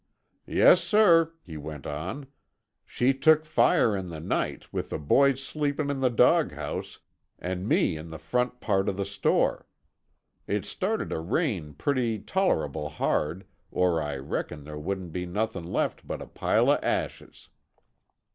"Yes, sir," he went on, "she took fire in the night, with the boys sleepin' in the doghouse, an' me in the front part uh the store. It started to rain pretty tol'able hard, or I reckon there wouldn't be nothin' left but a pile uh ashes."